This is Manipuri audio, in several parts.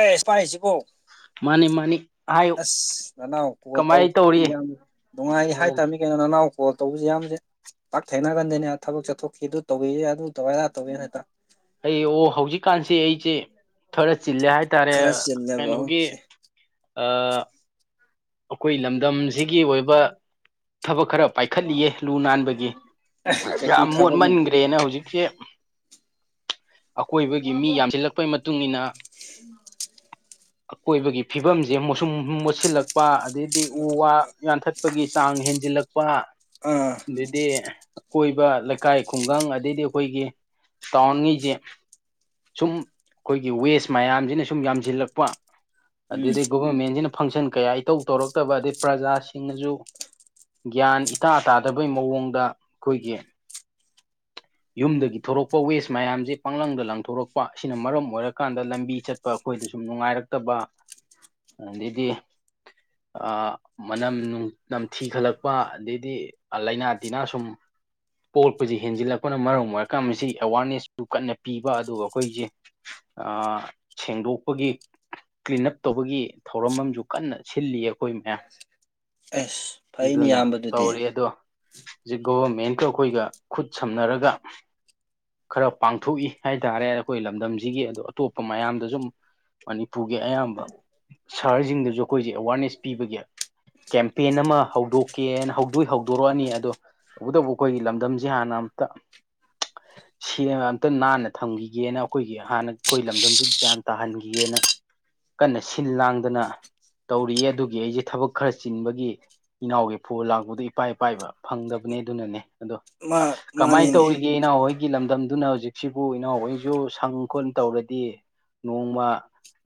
ꯑꯦꯁ ꯄꯥꯏꯁꯤꯀꯣ ꯃꯥꯅꯤ ꯃꯥꯅꯤ ꯍꯥꯏꯌꯨ ꯑꯁ ꯅꯅꯥꯎ ꯀꯣꯜ ꯀꯃꯥꯏ ꯇꯧꯕꯁꯤ ꯇꯧꯔꯤ ꯌꯥꯝ ꯅꯨꯡꯉꯥꯏ ꯑꯣ ꯍꯥꯏꯇꯥꯥꯝꯃꯤ [inaudible] ꯅꯅꯥꯎ ꯀꯣꯜ ꯇꯧꯕꯁꯤ ꯌꯥꯝꯗꯦ ꯄꯥꯛ ꯊꯦꯡꯅꯒꯟꯗꯦꯅꯦ ꯊꯕꯛ ꯆꯠꯊꯣꯛꯈꯤ ꯑꯗꯨ ꯇꯧꯋꯤꯌꯦ ꯑꯗꯨ ꯇꯧꯋꯦ ꯑꯗꯥ ꯇꯧꯋꯦꯅ ꯍꯦꯛꯇ ꯑꯩ ꯑꯣ ꯍꯧꯖꯤꯛꯀꯥꯟꯁꯦ ꯑꯩꯁꯦ ꯈꯔ ꯆꯤꯜꯂꯦ ꯍꯥꯏꯇꯥꯔꯦ ꯈꯔ ꯆꯤꯜꯂꯦꯕ ꯀꯩꯅꯣꯒꯤ ꯑꯣꯀꯦ ꯑ ꯑꯩꯈꯣꯏ ꯂꯝꯗꯝꯁꯤꯒꯤ ꯑꯣꯏꯕ ꯊꯕꯛ ꯈꯔ ꯄꯥꯏꯈꯠꯂꯤꯌꯦ ꯂꯨ ꯅꯥꯟꯕꯒꯤ ꯀꯩꯀꯩ ꯌꯥꯝ ꯊꯕꯛ ꯃꯣꯠꯃꯟꯈ꯭ꯔꯦꯅ ꯍꯧꯖꯤꯛꯁꯦ ꯑꯀꯣꯏꯕꯒꯤ ꯃꯤ ꯌꯥꯝꯁꯤꯜꯂꯛꯄꯩ ꯃꯇꯨꯡꯏꯟꯅ ꯑꯀꯣꯏꯕꯒꯤ ꯐꯤꯕꯝꯁꯦ ꯃꯨꯁꯨꯝ ꯃꯨꯁꯤꯂꯛ ꯑꯗꯩꯗꯤ ꯎ ꯋꯥ ꯌꯥꯟꯊꯠꯄꯒꯤ ꯆꯥꯡ ꯍꯦꯟꯖꯤꯜꯂꯛꯄ ꯑꯥ ꯑꯗꯩꯗꯤ ꯀꯣꯏꯕ ꯂꯩꯀꯥꯏ ꯈꯨꯡꯒꯪ ꯑꯗꯩꯗꯤ ꯑꯩꯈꯣꯏꯒꯤ ꯇꯥꯎꯟꯉꯩꯁꯦ ꯁꯨꯝ ꯑꯩꯈꯣꯏꯒꯤ ꯋꯦꯁ ꯃꯌꯥꯝꯁꯤꯅ ꯁꯨꯝ ꯌꯥꯝꯁꯤꯜꯂꯛꯄ ꯎꯝ ꯑꯗꯩꯗꯤ ꯒꯣꯚꯔꯃꯦꯟꯁꯤꯅ ꯐꯪꯁꯟ ꯀꯌꯥ ꯏꯇꯧ ꯇꯧꯔꯛꯇꯕ ꯑꯗꯩ ꯄ꯭ꯔꯖꯥꯁꯤꯡꯅꯁꯨ ꯒ꯭ꯌꯥꯟ ꯏꯇꯥ ꯇꯥꯗꯕꯩ ꯃꯑꯣꯡꯗ ꯑꯩꯈꯣꯏꯒꯤ ꯌꯨꯝꯗꯒꯤ ꯊꯣꯔꯛꯄ ꯋꯦꯁ ꯃꯌꯥꯝꯁꯦ ꯄꯥꯡꯂꯪꯗ ꯂꯪꯊꯣꯛꯔꯛꯄ ꯑꯁꯤꯅ ꯃꯔꯝ ꯑꯣꯏꯔꯀꯥꯟꯗ ꯂꯝꯕꯤ ꯆꯠ ꯆꯠꯄ ꯑꯩꯈꯣꯏꯗ ꯁꯨꯝ ꯅꯨꯡꯉꯥꯏꯔꯛꯇꯕ ꯑꯗꯩꯗꯤ ꯃꯅꯝ ꯅꯝꯊꯤ ꯈꯠꯂꯛꯄ ꯑꯗꯩꯗꯤ ꯂꯩꯅꯥ ꯇꯤꯟꯅꯥ ꯁꯨꯝ ꯄꯣꯛꯂꯛꯄꯁꯤ ꯍꯦꯟꯖꯤꯜꯂꯛꯄꯅ ꯃꯔꯝ ꯑꯣꯏꯔꯀꯥꯟ ꯃꯁꯤ ꯑꯦꯋꯥꯔꯅꯦꯁꯁꯨ ꯀꯟꯅ ꯄꯤꯕ ꯑꯗꯨꯒ ꯑꯩꯈꯣꯏꯁꯦ ꯑꯥ ꯁꯦꯡꯗꯣꯛꯄꯒꯤ ꯀ꯭ꯂꯤꯟ ꯑꯞ ꯇꯧꯕꯒꯤ ꯊꯧꯔꯝ ꯑꯃꯁꯨ ꯀꯟꯅ ꯁꯤꯜꯂꯤꯌꯦ ꯑꯩꯈꯣꯏ ꯃꯌꯥꯝ ꯑꯁ ꯐꯩꯅꯦ ꯑꯗꯨꯅ ꯏꯌꯥꯝꯕꯗꯨꯗꯤ ꯇꯧꯔꯤ ꯑꯗꯣ ꯍꯧꯖꯤꯛ ꯒꯣꯚꯔꯃꯦꯟꯒ ꯑꯩꯈꯣꯏꯒ ꯈꯨꯠ ꯁꯝꯅꯔꯒ ꯈꯔ ꯄꯥꯡꯊꯣꯛꯏ ꯍꯥꯏꯇꯥꯔꯦ ꯑꯩꯈꯣꯏ ꯂꯝꯗꯝꯁꯤꯒꯤ ꯑꯗꯣ ꯑꯇꯣꯞꯄ ꯃꯌꯥꯝꯗꯁꯨꯨ ꯃꯅꯤꯄꯨꯔꯒꯤ ꯑꯌꯥꯝꯕ ꯁꯍꯔꯁꯤꯡꯗꯁꯨ ꯑꯩꯈꯣꯏꯁꯦ ꯑꯦꯋꯥꯔꯅꯦꯁ ꯄꯤꯕꯒꯤ ꯀꯦꯝꯄꯦꯟ ꯑꯃ ꯍꯧꯗꯣꯛꯀꯦꯅ ꯍꯧꯗꯤ ꯍꯧꯗꯣꯛꯔꯛꯑꯅꯤ ꯑꯗꯣ ꯇꯧꯕꯇꯕꯨ ꯑꯩꯈꯣꯏꯒꯤ ꯂꯝꯗꯝ ꯗꯝꯁꯦ ꯍꯥꯟꯅ ꯑꯝꯇ ꯁꯤ ꯑꯝꯇ ꯅꯥꯟꯅ ꯊꯝꯈꯤꯒꯦꯅ ꯑꯩꯈꯣꯏꯒꯤ ꯍꯥꯟꯅ ꯑꯩꯈꯣꯏ ꯂꯝꯗꯝꯁꯤ ꯒ꯭ꯌꯥꯟ ꯇꯥꯍꯟꯈꯤꯒꯦꯅ ꯀꯟꯅ ꯁꯤꯜ ꯂꯥꯡꯗꯅ ꯇꯧꯔꯤꯌꯦ ꯑꯗꯨꯒꯤ ꯑꯩꯁꯦ ꯊꯕꯛ ꯈꯔ ꯆꯤꯟꯕꯒꯤ ꯏꯅꯥꯎꯒꯤ ꯐꯣꯜ ꯂꯥꯛꯄꯗ ꯏꯄꯥ ꯏꯄꯥꯏꯕ ꯐꯪꯗꯕꯅꯦ ꯑꯗꯨꯅꯅꯦ ꯑꯗꯣ ꯃꯥ ꯀꯃꯥꯏꯅ ꯃꯥꯅꯤꯅꯦ ꯇꯧꯔꯤꯒꯦ ꯏꯅꯥꯎ ꯍꯣꯏꯒꯤ ꯂꯝꯗꯝꯗꯨꯅ ꯍꯧꯖꯤꯛꯁꯤꯕꯨ ꯏꯅꯥꯎ ꯍꯣꯏꯁꯨ ꯁꯪ ꯈꯣꯠ ꯇꯧꯔꯗꯤ ꯅꯣꯡꯃ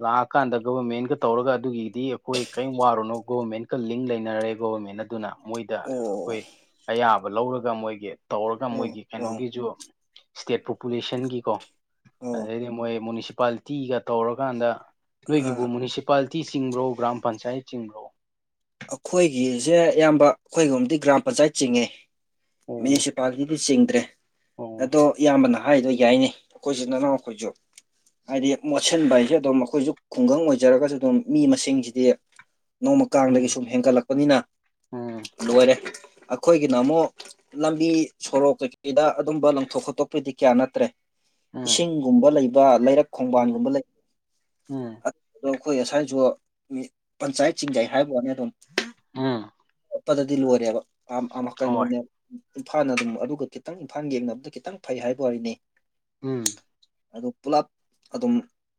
ꯂꯥꯛꯑꯀꯥꯟꯗ ꯒꯣꯕꯔꯃꯦꯟꯀ ꯇꯧꯔꯒ ꯑꯗꯨꯒꯤꯗꯤ ꯑꯩꯈꯣꯏ ꯀꯔꯤꯝ ꯋꯥꯔꯨꯅꯣ ꯒꯣꯕꯔꯃꯦꯟꯀ ꯂꯤꯡ ꯂꯩꯅꯔꯦ ꯒꯣꯕꯔꯃꯦꯟꯅ ꯑꯗꯨꯅ ꯃꯣꯏꯗ ꯑꯣ ꯑꯩꯈꯣꯏ ꯑꯌꯥꯕ ꯂꯧꯔꯒ ꯃꯣꯏꯒꯤ ꯇꯧꯔꯒ ꯑꯣ ꯃꯣꯏꯒꯤ ꯑꯣ ꯀꯩꯅꯣꯒꯤꯁꯨ ꯏꯁ꯭ꯇꯦꯠ ꯄꯣꯄꯨꯂꯦꯁꯟꯒꯤꯀꯣ ꯑꯣ ꯑꯗꯩꯗꯤ ꯃꯣꯏ ꯃꯨꯅꯤꯁꯤꯄꯥꯂꯤꯇꯤꯒ ꯇꯧꯔꯀꯥꯟꯗ ꯅꯣꯏꯒꯤꯕꯨ ꯑꯥ ꯃ꯭ꯌꯨꯅꯤꯁꯤꯄꯥꯂꯤꯇꯤ ꯆꯤꯡꯕ꯭ꯔꯣ ꯒ꯭ꯔꯥꯝ ꯄꯟꯆꯥꯌꯦꯠ ꯆꯤꯡꯕ꯭ꯔꯣ ꯑꯩꯈꯣꯏꯒꯤꯁꯦ ꯢꯌꯥꯝꯕ ꯑꯩꯈꯣꯏ ꯔꯣꯝꯗꯤ ꯒ꯭ꯔꯥꯝ ꯄꯟꯆꯥꯌꯦꯠ ꯆꯤꯡꯉꯦ ꯑꯣ ꯃ꯭ꯌꯨꯅꯤꯁꯤꯄꯥꯂꯤꯇꯤꯗꯤ ꯆꯤꯡꯗ꯭ꯔꯦ ꯑꯣ ꯑꯗꯣ ꯏꯌꯥꯝꯕꯅ ꯍꯥꯏꯗꯣ ꯌꯥꯏꯅꯦ ꯑꯩꯈꯣꯏꯁꯨ ꯅꯅꯥꯎ ꯑꯩꯈꯣꯏꯁꯨ ꯍꯥꯏꯗꯤ ꯃꯣꯠꯁꯤꯟꯕ ꯍꯥꯏꯁꯦ ꯑꯗꯨꯝ ꯑꯩꯈꯣꯏꯁꯨ ꯈꯨꯡꯒꯪ ꯑꯣꯏꯖꯔꯒꯁꯨ ꯑꯗꯨꯝ ꯃꯤ ꯃꯁꯤꯡꯁꯤꯗꯤ ꯅꯣꯡꯃ ꯀꯥꯡꯗꯒꯤ ꯎꯝ ꯁꯨꯝ ꯍꯦꯟꯒꯠꯂꯛꯄꯅꯤꯅ ꯎꯝ ꯂꯣꯏꯔꯦ ꯑꯩꯈꯣꯏꯒꯤꯅ ꯑꯃꯨꯛ ꯂꯝꯕꯤ ꯁꯣꯔꯣꯛ ꯀꯩꯀꯩꯗ ꯑꯗꯨꯝꯕ ꯂꯪꯊꯣꯛ ꯈꯣꯠꯇꯣꯛꯄꯩꯗꯤ ꯀꯌꯥ ꯅꯠꯇ꯭ꯔꯦ ꯎꯝ ꯏꯁꯤꯡꯒꯨꯝꯕ ꯂꯩꯕ ꯂꯩꯔꯛ ꯎꯝ ꯈꯣꯡꯕꯥꯟꯒꯨꯝꯕ ꯂꯩꯕ ꯎꯝ ꯑꯗꯣ ꯑꯩꯈꯣꯏ ꯁꯨꯋꯥꯢꯁꯨ ꯄꯟꯆꯥꯌꯦꯠ ꯆꯤꯡꯖꯩ ꯍꯥꯏꯕ ꯋꯥꯅꯤ ꯑꯗꯨꯝ ꯎꯝ ꯃꯣꯠꯄꯗꯗꯤ ꯂꯣꯢꯔꯦꯕ [unintelligible] ꯍꯣꯏ ꯀꯩꯅꯣꯝꯅꯦ ꯏꯝꯐꯥꯜꯅ ꯑꯗꯨꯝ ꯑꯗꯨꯒ ꯈꯤꯇꯪ ꯏꯝꯐꯥꯜ ꯌꯦꯡꯅꯕꯗ ꯈꯤꯇꯪ ꯐꯩ ꯍꯥꯏꯕ ꯋꯥꯔꯤꯅꯤ ꯎꯝ ꯑꯗꯨ ꯄꯨꯂꯞ ꯑꯗꯨꯝ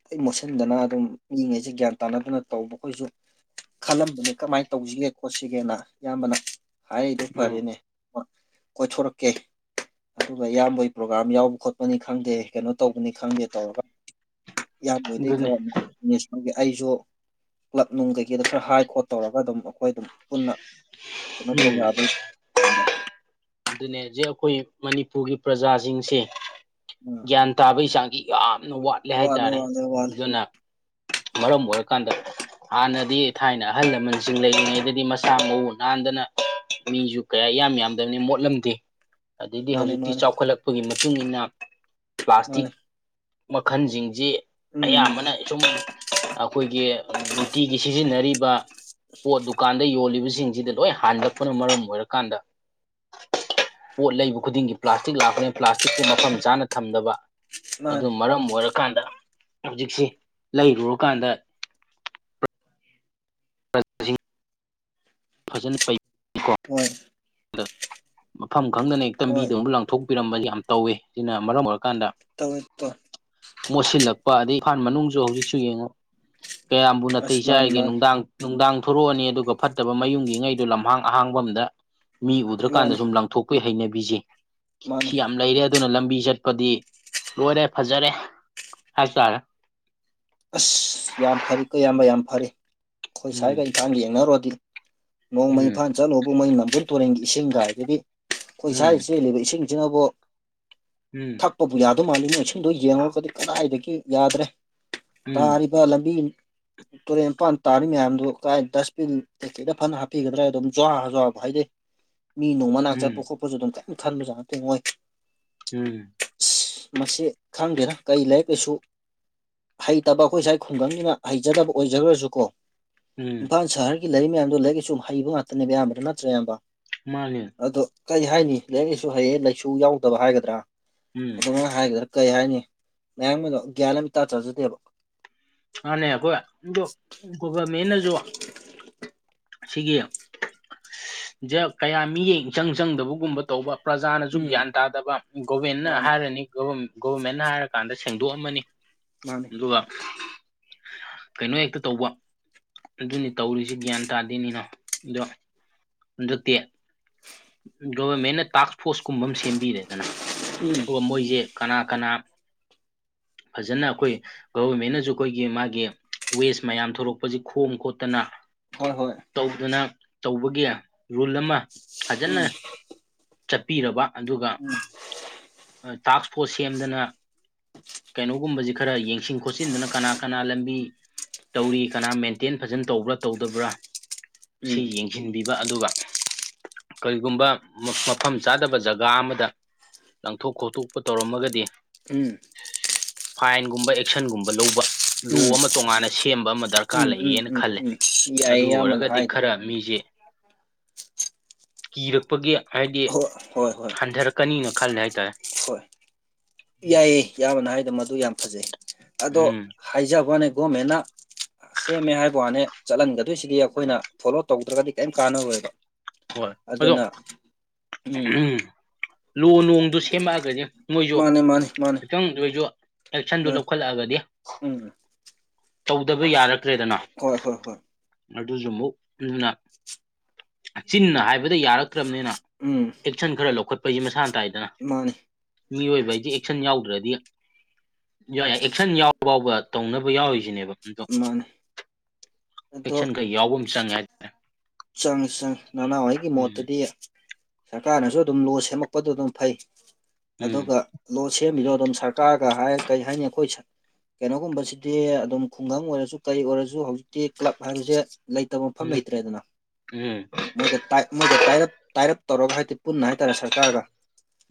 ꯑꯩ ꯃꯣꯠꯁꯤꯟꯗꯅ ꯑꯗꯨꯝ ꯃꯤꯉꯩꯁꯤ ꯒ꯭ꯌꯥꯟ ꯇꯥꯟꯅꯗꯅ ꯇꯧꯕ ꯈꯣꯏꯁꯨ ꯈꯜꯂꯝꯕꯅꯦ ꯀꯃꯥꯏꯅ ꯇꯧꯁꯤꯒꯦ ꯈꯣꯠꯁꯤꯒꯦꯅ ꯏꯌꯥꯝꯕꯅ ꯍꯥꯏꯔꯛꯏꯗꯨ ꯎꯝ ꯐꯔꯦꯅꯦ ꯀꯣꯏꯊꯣꯔꯛꯀꯦ ꯑꯗꯨꯒ ꯏꯌꯥꯝꯕꯒꯤ ꯄ꯭ꯔꯣꯒ꯭ꯔꯥꯝ ꯌꯥꯎꯕ ꯈꯣꯠꯄꯅꯤ ꯈꯪꯗꯦ ꯀꯩꯅꯣ ꯇꯧꯕꯅꯤ ꯈꯪꯗꯦ ꯇꯧꯔꯒ ꯏꯌꯥꯝꯕ ꯈꯣꯢꯗꯩ ꯑꯗꯨꯅꯦ ꯈꯔ ꯃꯨꯛ [unintelligible] ꯑꯩꯁꯨ ꯀ꯭ꯂꯕ ꯅꯨꯡ ꯀꯩꯀꯩꯗ ꯈꯔ ꯍꯥꯏ ꯈꯣꯠ ꯇꯧꯔꯒ ꯑꯗꯨꯝ ꯑꯩꯈꯣꯏ ꯑꯗꯨꯝ ꯄꯨꯟꯅ ꯀꯩꯅꯣ ꯇꯧꯕ ꯎꯝ ꯌꯥꯕ꯭ꯔꯥ ꯑꯗꯨꯅꯦ ꯍꯧꯖꯤꯛ ꯑꯩꯈꯣꯏ ꯃꯅꯤꯄꯨꯔꯒꯤ ꯄ꯭ꯔꯥꯖꯥꯁꯤꯡꯁꯦ ꯑꯥ ꯒ꯭ꯌꯥꯟ ꯇꯥꯕꯒꯤ ꯆꯥꯡꯁꯤ ꯌꯥꯝꯅ ꯋꯥꯠꯂꯦ ꯍꯥꯏꯇꯥꯔꯦ ꯋꯥꯠꯂꯦ ꯋꯥꯠꯂꯦ ꯑꯗꯨꯅ ꯃꯔꯝ ꯑꯣꯏꯔꯀꯥꯟꯗ ꯍꯥꯟꯅꯗꯤ ꯊꯥꯏꯅ ꯑꯍꯜ ꯂꯃꯟꯁꯤꯡ ꯂꯩꯔꯤꯉꯩꯗꯗꯤ ꯃꯁꯥ ꯃꯎꯨ ꯅꯥꯟꯗꯥꯅ ꯃꯤꯁꯨ ꯀꯌꯥ ꯢꯌꯥꯝ ꯌꯥꯝꯗꯕꯅꯤ ꯃꯣꯠ ꯎꯠꯂꯝꯗꯦ ꯑꯗꯩꯗꯤ ꯃꯥꯅꯦ ꯍꯧꯖꯤꯛꯇꯤ ꯃꯥꯅꯦ ꯆꯥꯎꯈꯠꯂꯛꯄꯒꯤ ꯃꯇꯨꯡ ꯏꯟꯅ ꯄ꯭ꯂꯥꯁꯇꯤꯛ ꯃꯥꯅꯦ ꯃꯈꯜꯁꯤꯡꯁꯤ ꯎꯝ ꯎꯝ ꯑꯌꯥꯝꯕꯅ ꯁꯨꯝ ꯑꯩꯈꯣꯏꯒꯤ ꯅꯨꯡꯇꯤꯒꯤ ꯁꯤꯖꯤꯟꯅꯔꯤꯕ ꯄꯣꯠ ꯗꯨꯀꯥꯟꯗ ꯌꯣꯜꯂꯤꯕꯁꯤꯡꯁꯤꯗ ꯂꯣꯏ ꯍꯟꯂꯛꯄꯅ ꯃꯔꯝ ꯑꯣꯏꯔꯀꯥꯟꯗ ꯄꯣꯠ ꯂꯩꯕ ꯈꯨꯗꯤꯡꯒꯤ ꯄ꯭ꯂꯥꯁꯇꯤꯛ ꯂꯥꯛꯄꯅꯤ ꯄ꯭ꯂꯥꯁꯇꯤꯛꯇꯤ ꯃꯐꯝ ꯆꯥꯅ ꯊꯝꯗꯕ ꯃꯥꯅꯦ ꯑꯗꯨꯅ ꯃꯔꯝ ꯑꯣꯏꯔ ꯀꯥꯟꯗ ꯍꯧꯖꯤꯛꯁꯦ ꯂꯩꯔꯨꯔꯀꯥꯟꯗ [unintelligible] ꯐꯖꯅ ꯄꯩ ꯍꯣꯏ ꯃꯐꯝ ꯈꯪꯗꯅ ꯍꯦꯛꯇꯥ ꯍꯣꯏ ꯂꯝꯕꯤꯗ ꯂꯪꯊꯣꯛꯄꯤꯔꯝꯕ ꯌꯥꯝ ꯇꯧꯋꯦ ꯁꯤꯅ ꯃꯔꯝ ꯑꯣꯏꯔꯀꯥꯟꯗ ꯇꯧꯋꯦ ꯇꯧ ꯃꯣꯠꯁꯤꯜꯂꯛꯄ ꯑꯗꯩ ꯏꯝꯐꯥꯜ ꯃꯅꯨꯡꯁꯨ ꯍꯧꯖꯤꯛꯁꯨ ꯌꯦꯡꯉꯣ ꯀꯌꯥꯝꯕꯨ ꯑꯁ ꯅꯥꯇꯩ ꯃꯥꯅꯤ ꯆꯥꯔꯤꯒꯦ ꯃꯥꯅꯤ ꯅꯨꯡꯗꯥꯡ ꯅꯨꯡꯗꯥꯡ ꯊꯣꯔꯛꯑꯅꯤ ꯑꯗꯨꯒ ꯐꯠꯇꯕ ꯃꯌꯨꯝꯒꯤꯉꯩꯗꯨ ꯂꯝꯍꯥꯡ ꯑꯍꯥꯡꯕ ꯑꯝꯗ ꯃꯤ ꯎꯗ꯭ꯔꯀꯥꯟꯗ ꯃꯥꯅꯤ ꯁꯨꯝ ꯂꯪꯊꯣꯛꯄꯩ ꯍꯩꯅꯕꯤꯁꯦ ꯃꯥꯅꯤ ꯁꯤ ꯌꯥꯝ ꯂꯩꯔꯦ ꯑꯗꯨꯅ ꯂꯝꯕꯤ ꯆꯠꯄꯗꯤ ꯂꯣꯏꯔꯦ ꯐꯖꯔꯦ ꯍꯥꯏꯇꯥꯔꯦ ꯑꯁ ꯌꯥꯝ ꯐꯥꯔꯤ ꯀꯣ ꯢꯌꯥꯝꯕ ꯌꯥꯝ ꯐꯥꯔꯤ ꯑꯩꯈꯣꯏ ꯁ꯭ꯋꯥꯏꯒ ꯎꯝ ꯏꯝꯐꯥꯜꯒ ꯌꯦꯡꯅꯔꯨꯔꯗꯤ ꯅꯣꯡꯃꯩ ꯎꯝ ꯏꯝꯐꯥꯜ ꯆꯠꯂꯨꯕ ꯃꯣꯏ ꯃꯝꯕꯨꯜ ꯇꯨꯔꯦꯟꯒꯤ ꯏꯁꯤꯡꯒ ꯍꯥꯏꯗꯨꯗꯤ ꯑꯩꯈꯣꯏ ꯎꯝ ꯁ꯭ꯋꯥꯏꯗ ꯆꯦꯜꯂꯤꯕ ꯏꯁꯤꯡ ꯖꯤꯅꯕꯨ ꯎꯝ ꯊꯛꯄꯕꯨ ꯌꯥꯗꯧ ꯃꯥꯜꯂꯤ ꯅꯣꯏ ꯑꯁꯤꯡꯗꯣ ꯌꯦꯡꯉꯨꯔꯒꯗꯤ ꯀꯗꯥꯏꯗꯒꯤ ꯌꯥꯗ꯭ꯔꯦ ꯎꯝ ꯇꯥꯔꯤꯕ ꯂꯝꯕꯤ ꯇꯨꯔꯦꯟ ꯃꯄꯥꯟ ꯇꯥꯔꯤ ꯃꯌꯥꯝꯗꯨ ꯀꯥꯏ ꯗꯁꯕꯤꯟ ꯀꯩ ꯀꯩꯗ ꯐꯅ ꯍꯥꯞꯄꯤꯒꯗ꯭ꯔꯥ ꯑꯗꯨꯝ ꯖꯋꯥ ꯖꯋꯥꯕꯨ ꯍꯩꯗꯩ [inaudible] ꯃꯤ ꯅꯨꯡ ꯃꯅꯥꯛ ꯎꯝ ꯆꯠꯄ ꯈꯣꯠꯄꯁꯨ ꯑꯗꯨꯝ ꯀꯔꯤꯝ ꯈꯟꯕ ꯖꯥꯠ ꯅꯠꯇꯦ ꯃꯣꯢ ꯎꯝ ꯑꯁ ꯃꯁꯤ ꯈꯪꯗꯦꯅ ꯀꯩ ꯂꯥꯏꯔꯤꯛ ꯂꯥꯢꯁꯨ ꯍꯩꯇꯕ ꯑꯩꯈꯣꯏ ꯁ꯭ꯋꯥꯏ ꯈꯨꯡꯒꯪꯁꯤꯅ ꯍꯩꯖꯗꯕ ꯑꯣꯏꯖꯈ꯭ꯔꯁꯨꯀꯣ ꯎꯝ ꯏꯝꯐꯥꯜ ꯁꯥꯍꯔ ꯒꯤ ꯂꯩꯔꯤ ꯃꯌꯥꯝꯗꯣ ꯂꯥꯏꯔꯤꯛ ꯂꯥꯢꯁꯨꯨ ꯍꯩꯕ ꯉꯥꯛꯇꯅꯦꯕ ꯑꯌꯥꯝꯕꯅ ꯅꯠꯇ꯭ꯔꯥ ꯢꯌꯥꯝꯕ ꯃꯥꯅꯦ ꯑꯗꯣ ꯀꯔꯤ ꯍꯥꯏꯅꯤ ꯂꯥꯏꯔꯤꯛ ꯂꯥꯏꯁꯨ ꯍꯩꯌꯦ ꯂꯥꯏꯁꯨ ꯌꯥꯎꯗꯕ ꯍꯥꯏꯒꯗ꯭ꯔꯥ ꯎꯝ ꯑꯗꯨꯃꯥꯏꯅ ꯍꯥꯏꯒꯗ꯭ꯔꯥ ꯀꯩ ꯍꯥꯏꯅꯤ ꯃꯌꯥꯝꯒꯗꯣ ꯒ꯭ꯌꯥꯟ ꯑꯃ ꯏꯇꯥ ꯇꯥꯖꯗꯦꯕ ꯃꯥꯅꯦ ꯑꯩꯈꯣꯏ ꯑꯗ‌ꯣ ꯒꯣꯚꯔ꯭ꯟꯃꯦꯟ꯭ꯇꯅꯁꯨ ꯁꯤꯒꯤ ꯖꯦ ꯀꯌꯥ ꯃꯤꯠꯌꯦꯡ ꯏꯆꯪ ꯆꯪꯗꯕꯒꯨꯝꯕ ꯇꯧꯕ ꯄ꯭ꯔꯖꯥꯅꯁꯨ ꯎꯝ ꯒ꯭ꯌꯥꯟ ꯇꯥꯗꯕ ꯒꯣꯃꯦꯟꯅ ꯃꯥꯅꯦ ꯍꯥꯏꯔꯅꯤ ꯒꯣꯚ꯭ꯔ ꯒ‌ꯣꯚ꯭ꯔꯃꯦꯟꯅ ꯍꯥꯏꯔ ꯀꯥꯟꯗ ꯁꯦꯡꯗꯣꯛꯑꯝꯃꯅꯤ ꯃꯥꯅꯤ ꯑꯗꯨꯒ ꯀꯩꯅꯣ ꯍꯦꯛꯇ ꯇꯧꯕ ꯑꯗꯨꯅꯤ ꯇꯧꯔꯤꯁꯤ ꯒ꯭ꯌꯥꯟ ꯇꯥꯗꯦꯅꯦ ꯏꯅꯥꯎ ꯑꯗꯣ ꯍꯟꯗꯛꯇꯤ ꯒꯣꯚ꯭ꯔꯟꯃꯦꯟ꯭ꯠꯅ ꯇꯥꯛ꯭ꯁ ꯐꯣꯔ꯭ꯁ ꯀꯨꯝꯕ ꯑꯃ ꯁꯦꯝꯕꯤꯔꯦꯗꯅ ꯎꯝ ꯑꯗꯨꯒ ꯃꯣꯏꯁꯦ ꯀꯅꯥ ꯀꯅꯥ ꯐꯖꯅ ꯑꯩꯈꯣꯏ ꯒꯣꯚ꯭ꯔꯟꯃꯦꯟ꯭ꯠꯅꯁꯨ ꯑꯩꯈꯣꯏꯒꯤ ꯃꯥꯒꯤ ꯋꯦꯁ ꯃꯌꯥꯝ ꯊꯣꯔꯛꯄꯁꯤ ꯈꯣꯝ ꯈꯣꯠꯇꯅ ꯍꯣꯏ ꯍꯣꯏ ꯇꯧꯗꯨꯅ ꯇꯧꯕꯒꯤ ꯔꯨꯜ ꯑꯃ ꯐꯖꯅ ꯆꯠꯄꯤꯔꯕ ꯑꯗꯨꯒ ꯎꯝ ꯇꯥꯛ꯭ꯁ ꯐꯣꯔ꯭ꯁ ꯁꯦꯝꯗꯅ ꯀꯩꯅꯣꯒꯨꯝꯕꯁꯤ ꯈꯔ ꯌꯦꯡꯁꯤꯟ ꯈꯣꯠꯆꯤꯟꯗꯅ ꯀꯅꯥ ꯀꯅꯥ ꯂꯝꯕꯤ ꯇꯧꯔꯤ ꯀꯅꯥ ꯃꯦꯟꯇꯦꯟ ꯐꯖꯅ ꯇꯧꯕ꯭ꯔꯥ ꯇꯧꯗꯕ꯭ꯔꯥ ꯁꯤ ꯎꯝ ꯌꯦꯡꯁꯤꯟꯕꯤꯕ ꯑꯗꯨꯒ ꯀꯔꯤꯒꯨꯝꯕ ꯃꯐꯝ ꯆꯥꯗꯕ ꯖꯒꯥ ꯑꯃꯗ ꯂꯪꯊꯣꯛ ꯈꯣꯠꯇꯣꯛꯄ ꯇꯧꯔꯝꯃꯒꯗꯤ ꯎꯝ ꯐꯥꯏꯟꯒꯨꯝꯕ ꯑꯦꯛꯁꯟꯒꯨꯝꯕ ꯂꯧꯕ ꯂꯣ ꯎꯝ ꯑꯃ ꯇꯣꯉꯥꯟꯅ ꯁꯦꯝꯕ ꯑꯃ ꯗ꯭ꯔꯀꯥꯔ ꯎꯝ ꯎꯝ ꯂꯩꯌꯦꯅ ꯎꯝ ꯈꯜꯂꯦ ꯎꯝ ꯑꯗꯨ ꯌꯥꯏꯌꯦ ꯏꯌꯥꯝꯕꯅ ꯑꯣꯏꯔꯒꯗꯤ ꯍꯥꯏꯗꯣ ꯈꯔ ꯃꯤꯁꯦ ꯀꯤꯔꯛꯄꯒꯤ ꯍꯥꯏꯗꯤ ꯍꯣꯏ ꯍꯣꯏ ꯍꯣꯏ ꯍꯟꯊꯔꯛꯀꯅꯤꯅ ꯈꯜꯂꯦ ꯍꯥꯏꯇꯥꯔꯦ ꯌꯥꯏꯌ‌ꯦ ꯏꯌꯥꯝꯕꯅ ꯍꯥꯏꯗꯣ ꯃꯗꯨ ꯌꯥꯝ ꯐꯖꯩ ꯑꯗꯣ ꯎꯝ ꯍꯥꯏꯖꯕ ꯋꯥꯅ‌ꯦ ꯒꯣꯔꯃꯦꯟꯅ ꯁꯦꯝꯃꯦ ꯍꯥꯏꯕ ꯋꯥꯅꯦ ꯆꯠꯍꯟꯒꯗꯣꯏꯁꯤꯗꯤ ꯑꯩꯈꯣꯏꯅ ꯐꯣꯂꯣ ꯇꯧꯗ꯭ꯔꯥꯒꯗꯤ ꯀꯩꯝ ꯀꯥꯟꯅꯔꯣꯏꯕ ꯍꯣꯏ ꯑꯗꯣ ꯑꯗꯨꯅ ꯎꯝ ꯂꯣ ꯅꯣꯡꯗꯨ ꯁꯦꯝꯃꯛꯑꯒꯗꯤ ꯃꯣꯏꯁꯨ ꯃꯥꯅꯦ ꯃꯥꯅꯦ ꯃꯥꯅꯦ ꯈꯤꯇꯪꯗ ꯑꯣꯏꯁꯨ ꯑꯦꯛꯁꯟꯗꯨ ꯃꯥꯅꯦ ꯂꯧꯈꯠꯂꯛꯑꯒꯗꯤ ꯎꯝ ꯇꯧꯗꯕ ꯌꯥꯔꯛꯇ꯭ꯔꯦꯗꯅ ꯍꯣꯏ ꯍꯣꯏ ꯍꯣꯏ ꯑꯗꯨꯁꯨ ꯑꯃꯨꯛ ꯑꯗꯨꯅ ꯆꯤꯟꯅ ꯍꯥꯏꯕꯗ ꯌꯥꯔꯛꯇ꯭ꯔꯕꯅꯤꯅ ꯎꯝ ꯑꯦꯛꯁꯟ ꯈꯔ ꯂꯧꯈꯠꯄ ꯍꯥꯏꯁꯤ ꯃꯁꯥꯅ ꯇꯥꯏꯗꯅ ꯃꯥꯅꯦ ꯃꯤꯑꯣꯏꯕꯗꯤ ꯑꯦꯛꯁꯟ ꯌꯥꯎꯗ꯭ꯔꯗꯤ ꯏꯌꯥ ꯌꯥꯏ ꯑꯦꯛꯁꯟ ꯌꯥꯎ ꯐꯥꯎꯕ ꯇꯧꯅꯕ ꯌꯥꯎꯔꯤꯁꯤꯅꯦꯕ ꯃꯥꯅꯦ ꯑꯗꯣ ꯑꯦꯛꯁꯟ ꯈꯔ ꯌꯥꯎꯕꯃ ꯆꯪꯉꯦ ꯍꯥꯏ ꯇꯥꯔ‌ꯦ ꯆꯪꯉꯤ ꯆꯪꯉꯤ ꯅꯅꯥꯥꯎ ꯑꯩꯒꯤ ꯎꯝ ꯃꯣꯠꯇꯗꯤ ꯁ꯭ꯔꯀꯥꯔꯅꯁꯨ ꯑꯗꯨꯝ ꯂꯣ ꯁꯦꯝꯃꯛꯄꯗꯨ ꯑꯗꯨꯝ ꯐꯩ ꯎꯝ ꯑꯗꯨꯒ ꯂꯣ ꯁꯦꯝꯃꯤꯗꯣ ꯑꯗꯨꯝ ꯁ꯭ꯔꯀꯥꯔꯒ ꯍꯥꯏ ꯀꯔꯤ ꯍꯥꯏꯅꯤ ꯑꯩꯈꯣꯏ ꯁ꯭ꯔ ꯀꯩꯅꯣꯒꯨꯝꯕꯁꯤꯗꯤ ꯑꯗꯨꯝ ꯈꯨꯡꯒꯪ ꯑꯣꯏꯔꯁꯨ ꯀꯔꯤ ꯑꯣꯏꯔꯁꯨ ꯍꯧꯖꯤꯛꯇꯤ ꯀ꯭ꯂꯕ ꯍꯥꯏꯕꯁꯦ ꯂꯩꯇꯕ ꯃꯐꯝ ꯎꯝ ꯂꯩꯇ꯭ꯔꯦꯗꯅ ꯎꯝ ꯃꯣꯏꯒ ꯇꯥꯏꯞ ꯃꯣꯏꯒ ꯇꯥꯏꯠꯑꯞ ꯇꯥꯏꯠꯑꯞ ꯇꯧꯔꯒ ꯍꯥꯏꯗꯤ ꯄꯨꯟꯅ ꯍꯥꯏꯇꯥꯔꯦ ꯁ꯭ꯔꯀꯥꯔꯒ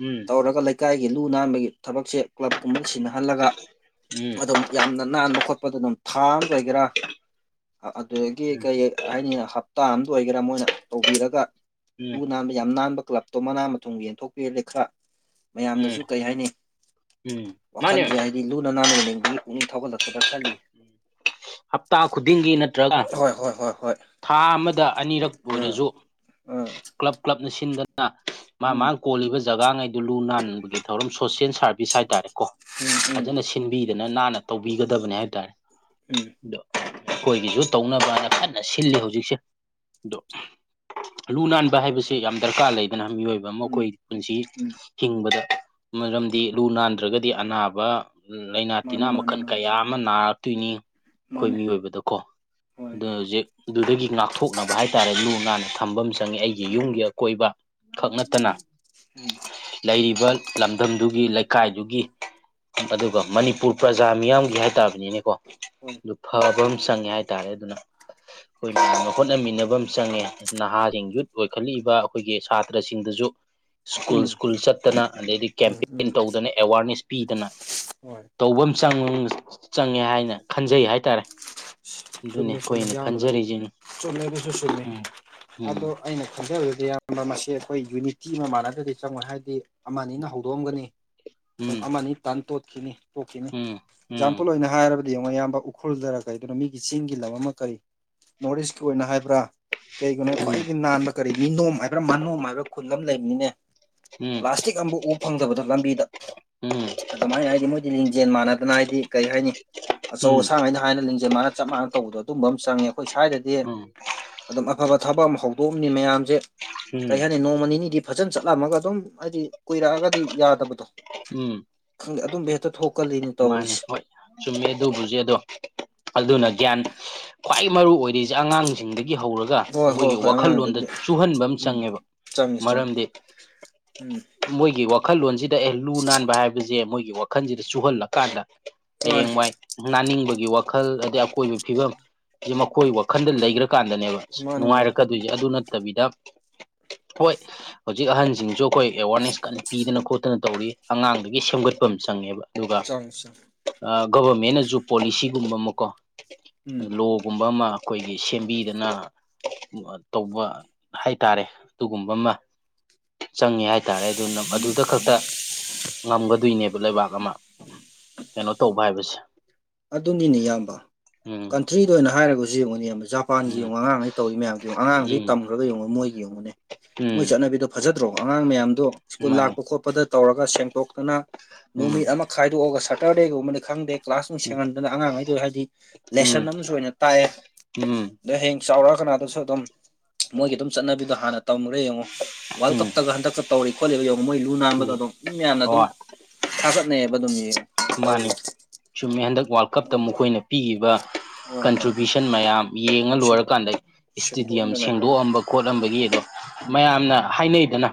ꯎꯝ ꯇꯧꯔꯒ ꯂꯩꯀꯥꯏꯒꯤ ꯂꯨ ꯅꯥꯟꯕꯒꯤ ꯊꯕꯛꯁꯦ ꯀ꯭ꯂꯕꯀꯨꯝꯕꯗ ꯁꯤꯟꯅꯍꯜꯂꯒ ꯎꯝ ꯑꯗꯨꯝ ꯌꯥꯝꯅ ꯅꯥꯟꯕ ꯈꯣꯠꯄꯗꯨꯅ ꯊꯥꯑꯝ ꯑꯣꯏꯒꯦꯔꯥ ꯑꯗꯨꯗꯒꯤ ꯀꯩ ꯍꯥꯏꯅꯤ ꯍꯞ ꯇꯥ ꯑꯝ ꯑꯣꯏꯒꯦꯔ ꯃꯣꯏꯅ ꯇꯧꯕꯤꯔꯒ ꯎꯝ ꯂꯨ ꯎꯝ ꯅꯥꯟꯕ ꯌꯥꯝ ꯅꯥꯟꯕ ꯀ꯭ꯂꯕ ꯇꯣ ꯃꯅꯥ ꯃꯊꯨꯝ ꯌꯦꯟꯊꯣꯛꯄꯤꯔꯅꯤ ꯈꯔ ꯃꯌꯥꯝꯗꯁꯨ ꯎꯝ ꯀꯩ ꯍꯥꯏꯅꯤ ꯎꯝ ꯃꯥꯅꯦ ꯋꯥꯈꯟꯖꯦ ꯍꯥꯏ ꯗꯤ ꯂꯨꯅ ꯅꯥꯟꯅ ꯂꯩꯅꯤꯡꯕꯒꯤ ꯄꯨꯛꯅꯤꯡ ꯊꯧꯒꯠꯂꯛꯀꯗ꯭ꯔ ꯈꯜꯂꯤ ꯍꯞꯇꯥ ꯈꯨꯗꯤꯡꯒꯤ ꯅꯠꯇ꯭ꯔꯒ ꯍꯣꯏ ꯍꯣꯏ ꯍꯣꯏ ꯍꯣꯏ ꯊꯥ ꯑꯃꯗ ꯑꯅꯤꯔꯛ ꯑꯥ ꯑꯣꯏꯔꯁꯨ ꯑꯥ ꯀ꯭ꯂꯕ ꯀ꯭ꯂꯕꯅ ꯁꯤꯟꯗꯅ ꯃꯥ ꯃꯥ ꯎꯝ ꯀꯣꯜꯂꯤꯕ ꯖꯒꯥꯉꯩꯗꯨ ꯂꯨ ꯅꯥꯟꯕꯒꯤ ꯊꯧꯔꯝ ꯁꯣꯁꯤꯌꯦꯜ ꯁꯥꯔꯚꯤꯁ ꯍꯥꯏꯇꯥꯔꯦꯀꯣ ꯐꯖꯅ ꯁꯤꯟꯕꯤꯗꯅ ꯅꯥꯟꯅ ꯇꯧꯕꯤꯒꯗꯕꯅꯦ ꯍꯥꯏꯇꯥꯔꯦ ꯎꯝ ꯑꯗꯣ ꯑꯩꯈꯣꯏꯒꯤꯁꯨ ꯇꯧꯅꯕꯅ ꯀꯟꯅ ꯁꯤꯜꯂꯤ ꯍꯧꯖꯤꯛꯁꯦ ꯑꯗꯣ ꯂꯨ ꯅꯥꯟꯕ ꯍꯥꯏꯕꯁꯦ ꯌꯥꯝ ꯗꯔꯀꯥꯔ ꯂꯩ ꯑꯗꯨꯅ ꯃꯤꯑꯣꯏꯕ ꯑꯃ ꯎꯝ ꯑꯩꯈꯣꯏꯒꯤ ꯄꯨꯟꯁꯤ ꯎꯝ ꯍꯤꯡꯕꯗ ꯃꯔꯝꯗꯤ ꯂꯨ ꯅꯥꯟꯗ꯭ꯔꯒꯗꯤ ꯑꯅꯥꯕ ꯂꯩꯅꯥ ꯇꯤꯟꯅꯥ ꯃꯥꯅꯦ ꯃꯥꯅꯦ ꯃꯈꯜ ꯃꯥꯅꯦ ꯀꯌꯥ ꯑꯃ ꯅꯥꯔꯛꯇꯣꯏꯅꯤ ꯈꫭꯏ ꯃꯥꯅꯦ ꯃꯤꯑꯣꯏꯕꯗꯀꯣ ꯍꯣꯏ ꯑꯗꯨꯅ ꯍꯧꯖꯤꯛ ꯑꯗꯨꯗꯒꯤ ꯉꯥꯛꯊꯣꯛꯅꯕ ꯍꯥꯏꯇꯥꯔꯦ ꯂꯨ ꯅꯥꯟꯅ ꯊꯝꯕ ꯑꯃ ꯆꯪꯉꯤ ꯑꯩꯒꯤ ꯌꯨꯝꯒꯤ ꯑꯀꯣꯏꯕ ꯈꯛ ꯅꯠꯇꯅ ꯎꯝ ꯂꯩꯔꯤꯕ ꯂꯝꯗꯝꯗꯨꯒꯤ ꯂꯩꯀꯥꯏꯗꯨꯒꯤ ꯑꯗꯨꯒ ꯃꯅꯤꯄꯨꯔ ꯄ꯭ꯔꯖꯥ ꯃꯤꯌꯥꯝꯒꯤ ꯍꯥꯏꯇꯥꯕꯅꯤꯅꯦꯀꯣ ꯍꯣꯏ ꯑꯗꯨ ꯐꯕ ꯑꯃ ꯆꯪꯉꯦ ꯍꯥꯏꯇꯥꯔꯦ ꯑꯗꯨꯅ ꯑꯩꯈꯣꯏ ꯃꯌꯥꯝꯅ ꯍꯣꯠꯅꯃꯤꯟꯅꯕꯝ ꯆꯪꯉꯦ ꯅꯍꯥꯖꯤꯡ ꯌꯨꯠ ꯑꯣꯏꯈꯠꯂꯛꯏꯕ ꯑꯩꯈꯣꯏꯒꯤ ꯁꯥꯇ꯭ꯔꯁꯤꯡꯗꯁꯨ ꯁ꯭ꯀꯨꯜ ꯎꯝ ꯁ꯭ꯀꯨꯜ ꯆꯠꯇꯅ ꯑꯗꯩꯗꯤ ꯎꯝ ꯀꯦꯝꯄꯦꯟ ꯎꯝ ꯇꯧꯗꯅ ꯑꯦꯋꯥꯔꯅꯦꯁ ꯄꯤꯗꯅ ꯍꯣꯏ ꯇꯧꯕꯝ ꯆꯪ ꯆꯪꯉꯦ ꯍꯥꯏꯅ ꯈꯟꯖꯩ ꯍꯥꯏꯇꯥꯔꯦ ꯑꯗꯨꯅꯦ ꯆꯨꯝꯃꯤ ꯆꯨꯝꯃꯤ ꯑꯈꯣꯏꯅ ꯏꯌꯥꯝꯕꯅ ꯈꯟꯖꯔꯤꯖꯦ ꯆꯨꯝꯃꯦ ꯎꯝ ꯎꯝ [unintelligible] ꯏꯌꯥꯝꯕ ꯃꯁꯤ ꯑꯩꯈꯣꯏ ꯌꯨꯅꯤꯇꯤ ꯑꯃ ꯃꯥꯟꯅꯗ꯭ꯔꯗꯤ ꯆꯪꯉꯣꯏ ꯍꯥꯏꯗꯤ ꯑꯃꯅꯤꯅ ꯍꯧꯗꯣꯛꯑꯝꯒꯅꯤ [unintelligible] ꯎꯝ ꯑꯃꯅꯤ ꯇꯟ ꯇꯣꯠꯈꯤꯅꯤ ꯇꯣꯛꯈꯤꯅꯤ ꯎꯝ ꯑꯦꯛꯖꯥꯝꯄꯜ ꯑꯣꯏꯅ ꯍꯥꯏꯔꯕꯗ ꯌꯦꯡꯉꯣ ꯏꯌꯥꯝꯕ ꯎꯈ꯭ꯔꯨꯜꯗꯔ ꯀꯔꯤꯗꯅꯣ ꯃꯤꯒꯤ ꯆꯤꯡꯒꯤ ꯂꯝ ꯑꯃ ꯀꯔꯤ ꯅꯣꯔꯠ ꯏꯁꯀꯤ ꯑꯣꯏꯅ ꯍꯥꯏꯕ꯭ꯔ ꯀꯩꯒꯤꯅꯣ ꯎꯝ ꯈ꯭ꯋꯥꯏꯗꯒꯤ ꯅꯥꯟꯕ ꯀꯔꯤ ꯃꯤꯅꯣꯝ ꯍꯥꯏꯕ꯭ꯔ ꯃꯅꯣꯝ ꯍꯥꯏꯕ꯭ꯔ ꯈꯨꯟ ꯑꯝ ꯂꯩꯝꯅꯤꯅꯦ ꯎꯝ ꯄ꯭ꯂꯥꯁꯇꯤꯛ ꯑꯝꯕꯨꯛ ꯎ ꯐꯪꯗꯕꯗꫭ ꯂꯝꯕꯤꯗ ꯎꯝ ꯑꯗꯨꯃꯥꯏꯅ ꯍꯥꯏꯗꯤ ꯃꯣꯏꯗꯤ ꯂꯤꯡꯖꯦꯜ ꯃꯥꯟꯅꯗꯅ ꯍꯥꯏꯗꯤ ꯀꯔꯤ ꯍꯥꯏꯅꯤ ꯑꯆꯧ ꯎꯝ ꯑꯁꯥꯡ ꯍꯥꯏꯅ ꯍꯥꯏꯅ ꯂꯤꯡꯖꯦꯜ ꯃꯥꯅ ꯆꯞ ꯃꯥꯟꯅ ꯇꯧꯕꯗꯣ ꯑꯗꯨꯝꯕꯝ ꯆꯪꯉꯤ ꯑꯈꯣꯏ ꯁ꯭ꯋꯥꯏꯗꯗꯤ ꯎꯝ ꯎꯝ ꯑꯗꯨꯝꯃꯛ ꯑꯐꯕ ꯊꯕꯛ ꯑꯃ ꯍꯧꯗꯣꯛꯑꯝꯅꯤ ꯃꯌꯥꯝꯖꯦ ꯀꯔꯤ ꯎꯝ ꯍꯥꯏꯅꯤ ꯅꯣꯡꯃ ꯅꯤꯅꯤꯗꯤ ꯐꯖꯅ ꯆꯠꯂꯝꯃꯒ ꯑꯗꯨꯝ ꯍꯥꯏꯗꯤ ꯀꯨꯏꯔꯛꯑꯒꯗꯤ ꯌꯥꯗꯕꯗꯣ ꯎꯝ ꯈꯪꯗꯦ ꯑꯗꯨꯝꯕ ꯍꯦꯛꯇ ꯊꯣꯛ ꯃꯥꯟꯅꯤ ꯍꯣꯏ ꯆꯨꯝꯃꯦ ꯑꯗꯨꯕꯨꯖꯦ ꯑꯗꯣ ꯑꯗꯨꯅ ꯒ꯭ꯌꯥꯟ ꯈ꯭ꯋꯥꯏ ꯃꯔꯨ ꯑꯣꯏꯔꯤꯖꯦ ꯑꯉꯥꯡꯖꯤꯡꯗꯒꯤ ꯍꯧꯔ ꯒ ꯍꯣꯏ ꯍꯣꯏ ꯃꯣꯏꯒꯤ ꯍꯣꯏ ꯑꯉꯥꯡꯗꯨꯒꯤ ꯋꯥꯈꯜꯂꯣꯟꯗꯖꯨ ꯆꯨꯍꯟꯕꯝ ꯎꯝ ꯆꯪꯉꯦꯕ ꯆꯪꯉꯤ ꯆꯪꯉꯤ ꯃꯔꯝꯗꯤ ꯎꯝ ꯃꯣꯏꯒꯤ ꯋꯥꯈꯜꯂꯣꯟꯖꯤꯗ ꯑꯦ ꯂꯨ ꯅꯥꯟꯕ ꯍꯥꯏꯕꯁꯦ ꯃꯣꯏꯒꯤ ꯋꯥꯈꯜꯁꯤꯗ ꯆꯨꯍꯜꯂꯀꯥꯟꯗ ꯃꯥꯅꯤ ꯍꯌꯦꯡꯋꯥꯏ ꯥꯅꯥꯟꯅꯤꯡꯕꯒꯤ ꯋꯥꯈꯜ ꯑꯗꯩ ꯑꯀꯣꯏꯕꯩ ꯐꯤꯕꯝꯁꯦ ꯃꯈꯣꯏ ꯋꯥꯈꯜꯗ ꯂꯩꯒ꯭ꯔ ꯀꯥꯟꯗꯅꯦꯕ ꯃꯥꯅꯤ ꯃꯥꯅꯤ ꯅꯨꯡꯉꯥꯏꯔꯛꯀꯗꯨꯏꯖꯦ ꯑꯗꯨ ꯅꯠꯇꯕꯤꯗ ꯍꯣꯏ ꯍꯧꯖꯤꯛ ꯑꯍꯟꯖꯤꯡꯖꯨ ꯑꯈꯣꯏ ꯑꯦꯋꯥꯔꯅꯦꯁ ꯀꯟꯅ ꯄꯤꯗꯅ ꯈꯣꯠꯇꯅ ꯇꯧꯔꯤ ꯑꯉꯥꯡꯗꯒꯤ ꯁꯦꯝꯒꯠꯄꯝ ꯆꯪꯉꯦꯕ ꯑꯗꯨꯒ ꯑꯩꯁꯞ ꯑ ꯒꯣꯕꯔꯃꯦꯟꯅꯖꯨ ꯄꯣꯂꯤꯁꯤꯒꯨꯝꯕ ꯑꯃꯀꯣ ꯎꯝ ꯂꯣꯒꯨꯝꯕ ꯑꯃ ꯑꯩꯈꯣꯏꯒꯤ ꯁꯦꯝꯕꯤꯗꯅ ꯃ ꯇꯧꯕ ꯍꯥꯏꯇꯥꯔꯦ ꯑꯗꯨꯒꯨꯝꯕ ꯑꯃ ꯆꯪꯉꯦ ꯍꯥꯏꯇꯥꯔꯦ ꯑꯗꯨꯅ ꯑꯗꯨꯗ ꯈꯛꯇ ꯉꯝꯒꯗꯣꯏꯅꯦꯕ ꯂꯩꯕꯥꯛ ꯑꯃ ꯀꯩꯅꯣ ꯇꯧꯕ ꯍꯥꯏꯕꯁꯦ ꯑꯗꯨꯅꯤꯅꯦ ꯏꯌꯥꯝꯕ ꯎꯝ ꯀꯟꯇ꯭ꯔꯤꯗ ꯑꯣꯏꯅ ꯍꯥꯏꯔꯒꯖꯨ ꯌꯦꯡꯉꯨꯅꯤ ꯌꯥꯝꯕ ꯖꯥꯞ ꯄꯥꯟꯒꯤ ꯎꯝ ꯌꯦꯡꯉꯣ ꯑꯉꯥꯡꯉꯩ ꯇꯧꯔꯤ ꯃꯌꯥꯝꯗꯣ ꯑꯉꯥꯡꯗꯩ ꯎꯝ ꯇꯝꯃꯨꯔꯒ ꯌꯦꯡꯉꯣ ꯃꯣꯏꯒꯤ ꯌꯦꯡꯉꯨꯅꯦ ꯎꯝ ꯃꯣꯏ ꯆꯠꯅꯕꯤꯗꯣ ꯐꯖꯗ꯭ꯔꯣ ꯑꯉꯥꯡ ꯃꯌꯥꯝꯗꯣ ꯁ꯭ꯀꯨꯜ ꯃꯥꯅꯤ ꯂꯥꯛꯄ ꯈꯣꯠꯄꯗ ꯇꯧꯔꯒ ꯁꯦꯡꯇꯣꯛꯇꯅ ꯎꯝ ꯅꯨꯃꯤꯠ ꯑꯃ ꯈꯥꯏꯗꯣꯛꯑꯒ ꯁꯇꯔꯗꯦꯒꯨꯝꯕꯅꯤ ꯈꯪꯗꯦ ꯀ꯭ꯂꯥꯁ ꯎꯝ ꯁꯦꯡꯍꯟꯗꯅ ꯑꯉꯥꯡꯉꯩꯗꯣ ꯍꯥꯏꯗꯤ ꯎꯝ ꯂꯦꯁꯟ ꯑꯃꯁꯨ ꯑꯣꯏꯅ ꯇꯥꯛꯑꯦ ꯎꯝ ꯑꯗꯩ ꯍꯌꯦꯡ ꯆꯥꯎꯔꯛꯑ ꯀꯅꯥꯗꯁꯨ ꯑꯗꯨꯝ ꯃꯣꯏꯒꯤ ꯑꯗꯨꯝ ꯆꯠꯅꯕꯤꯗꯣ ꯍꯥꯟꯅ ꯇꯝꯃꯨꯔꯦ ꯌꯦꯡꯉꯣ ꯋꯥꯔꯜ ꯀꯞꯇꯒ ꯍꯟꯗꯛꯀ ꯇꯧꯔꯤ ꯈꯣꯠꯂꯤꯕ ꯌꯦꯡꯉꯣ ꯃꯣꯏ ꯂꯨ ꯅꯥꯟꯕꯗ ꯎꯝ ꯑꯗꯨꯝ ꯃꯤ ꯃꯌꯥꯝꯅ ꯑꯗꯨꯝ ꯍꯣꯏ ꯊꯥꯒꯠꯅꯩꯑꯦꯕ ꯑꯗꯨꯝ ꯌꯦꯡꯉꯣ ꯇꯧꯔꯤ ꯃꯥꯅꯤ ꯆꯨꯝꯃꯦ ꯍꯟꯗꯛ ꯋꯥꯔꯜ ꯀꯞꯇ ꯃꯣꯏꯒꯤ ꯃꯈꯣꯏꯅ ꯄꯤꯒꯤꯕ ꯍꯣꯏ ꯍꯣꯏ ꯀꯟꯇ꯭ꯔꯤꯕ꯭ꯌꯨꯁꯟ ꯃꯌꯥꯝ ꯌꯦꯡꯉ ꯁꯦꯡꯇꯣꯛ ꯂꯣꯏꯔꯀꯥꯟꯗ ꯏꯁꯇꯗꯤꯌꯝ ꯁꯦꯡꯇꯣꯛꯑꯝꯗꯅ ꯍꯣꯏ ꯁꯦꯡꯗꯣꯛꯑꯝꯕ ꯈꯣꯠꯂꯝꯕꯒꯤ ꯑꯗꯣ ꯎꯝ ꯃꯌꯥꯝꯅ ꯍꯥꯏꯅꯩꯗꯅ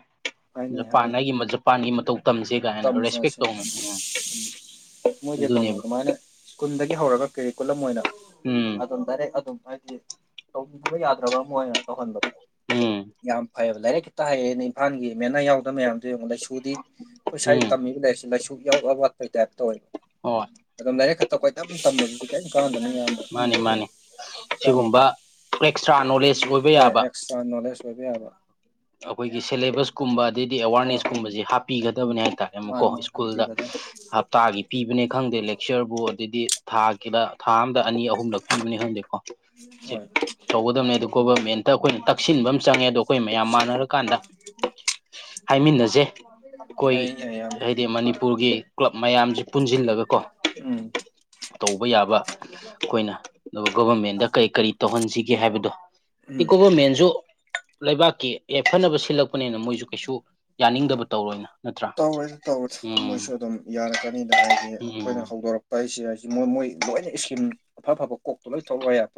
ꯍꯥꯏꯅꯩ ꯖꯄꯥꯟ ꯍꯥꯏꯅꯩ ꯑꯩꯒꯤ ꯖꯄꯥꯟꯒꯤ ꯃꯇꯧ ꯇꯝꯖꯦ ꯀꯥꯏꯅ ꯔꯦꯁꯄꯦꯛ ꯇꯝꯖꯁꯦ ꯇꯧꯅꯩ ꯃꯣꯏꯖꯦ ꯑꯗꯨꯝ ꯑꯗꯨꯃꯥꯏꯅ ꯁ꯭ꯀꯨꯜꯗꯒꯤ ꯍꯧꯔꯒ ꯀꯦꯔꯤꯀꯨꯂꯝ ꯑꯣꯏꯅ ꯎꯝ ꯑꯗꯨꯝ ꯗꯥꯏꯔꯦꯛ ꯑꯗꯨꯝ ꯍꯥꯏꯗꯤ ꯇꯧꯗꯕ ꯌꯥꯗ꯭ꯔꯕ ꯑꯃ ꯑꯣꯏꯅ ꯇꯧꯍꯟꯕꯗꯣ ꯎꯝ ꯌꯥꯝ ꯐꯩꯌꯦꯕ ꯂꯥꯏꯔꯤꯛ ꯈꯤꯇ ꯍꯩꯌꯦꯅꯥ ꯏꯝꯐꯥꯜꯒꯤ ꯃꯦꯅꯥꯌ ꯌꯥꯎꯗ ꯃꯌꯥꯝ ꯑꯗꯨ ꯌꯦꯡꯉꯣ ꯂꯥꯏꯁꯨꯗꯤ ꯑꯩꯈꯣꯏ ꯁ꯭ꯋꯥꯏ ꯎꯝ ꯇꯝꯃꯤꯕ ꯂꯥꯏꯔꯤꯛꯁꯦ ꯂꯥꯏꯁꯨ ꯏꯌꯥꯎ ꯋꯥꯠ ꯋꯥꯠꯄꯩ ꯇꯥꯏꯞ ꯇꯧꯋꯦꯕ ꯑꯣ ꯑꯗꯨꯝ ꯂꯥꯏꯔꯤꯛ ꯈꯛꯇ ꯀꯣꯏꯇꯝ ꯇꯝꯕꯗꯨꯗꯤ ꯀꯦꯝ ꯀꯥꯟꯗꯝꯅꯦ ꯌꯥꯝ ꯃꯥꯅꯤ ꯃꯥꯅꯤ ꯁꯤꯒꯨꯝꯕ ꯑꯦꯛꯁꯇ꯭ꯔꯥ ꯅꯣꯂꯦꯖ ꯑꯣꯏꯕ ꯍꯣꯏ ꯌꯥꯕ ꯑꯦꯛꯁꯇ꯭ꯔꯥ ꯅꯣꯂꯦꯖ ꯑꯣꯏꯕ ꯌꯥꯕ ꯑꯈꯣꯏꯒꯤ ꯁꯦꯂꯦꯕꯁ ꯀꯨꯝꯕ ꯑꯗꯩꯗꯤ ꯍꯣꯏ ꯍꯣꯏ ꯑꯦꯋꯥꯔꯅꯦꯁꯀꯨꯝꯕꯖꯦ ꯎꯝ ꯍꯥꯞꯄꯤꯒꯗꯕꯅꯦ ꯍꯥꯏꯇꯥꯔꯦ ꯑꯃꯨꯛꯀꯣ ꯃꯥꯅꯤ ꯃꯥꯅꯤ ꯁ꯭ꯀꯨꯜꯗ ꯍꯥꯞ ꯍꯥꯞꯄꯤꯒꯗꯝ ꯍꯞꯇꯥꯒꯤ ꯄꯤꯕꯅꯦ ꯈꯪꯗꯦ ꯂꯦꯛꯆꯔꯕꯨ ꯑꯗꯨꯗꯤ ꯊꯥꯒꯤꯗ ꯊꯥ ꯑꯝꯗ ꯑꯅꯤ ꯑꯍꯨꯝꯂꯛ ꯄꯤꯕꯅꯦ ꯈꯪꯗꯦꯀꯣ ꯆꯤꯛ ꯍꯣꯏ ꯇꯧꯒꯗꯕꯅꯦ ꯑꯗꯣ ꯒꯣꯕꯔꯃꯦꯟꯇ ꯑꯩꯈꯣꯏꯅ ꯇꯛꯁꯤꯟꯕ ꯑꯃ ꯆꯪꯉꯦ ꯑꯗꯣ ꯑꯩꯈꯣꯏ ꯃꯌꯥ ꯌꯥꯝ ꯃꯥꯟꯅꯔ ꯀꯥꯟꯗ ꯍꯥꯏꯃꯤꯟꯅꯖꯦ ꯑꯩꯈꯣꯏ ꯌꯥꯏ ꯌꯥꯏ ꯌꯥꯝ ꯍꯥꯏꯗꯤ ꯃꯅꯤꯄꯨꯔꯒꯤ ꯀ꯭ꯂꯕ ꯃꯌꯥꯝꯖꯦ ꯄꯨꯟꯖꯤꯜꯂꯒ ꯀꯣ ꯎꯝ ꯇꯧꯕ ꯌꯥꯕ ꯑꯩꯈꯣꯏꯅ ꯑꯗꯨꯒ ꯒꯣꯚꯔꯃꯦꯟꯗ ꯀꯔꯤ ꯀꯔꯤ ꯇꯧꯍꯟꯁꯤꯒꯦ ꯍꯥꯏꯕꯗꯣ ꯇꯤ ꯎꯝ ꯒꯣꯕꯔꯃꯦꯟꯖꯨ ꯂꯩꯕꯥꯛꯀꯤ ꯑꯦ ꯐꯅꯕ ꯁꯤꯜꯂꯛꯄꯅꯦꯅ ꯃꯣꯏꯖꯨ ꯀꯩꯁꯨ ꯌꯥꯅꯤꯡꯗꯕ ꯇꯧꯔꯣꯏꯅ ꯅꯠꯇ꯭ꯔꯥ ꯇꯧꯔꯣꯏꯗ ꯇꯧꯔꯣꯏꯗ ꯎꯝ ꯃꯣꯏꯁꯨ ꯑꯗꯨꯝ ꯌꯥꯔꯛꯀꯅꯤꯗ ꯍꯥꯏꯗꯤ ꯑꯩꯈꯣꯏꯅ ꯎꯝ ꯍꯧꯗꯣꯔꯛ ꯄ ꯑꯁꯦ ꯍꯥꯏꯁꯤ ꯃꯣꯏ ꯃꯣꯏ ꯂꯣꯏꯅ ꯏꯁꯀꯤꯝ ꯑꯐ ꯑꯐꯕ ꯀꯣꯛꯇ ꯂꯣꯏ ꯊꯣꯛꯂꯛꯑꯣ ꯌꯥ